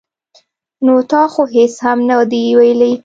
ـ نو تا خو هېڅ هم نه دي ویلي.